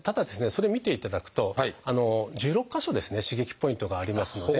それ見ていただくと１６か所刺激ポイントがありますので。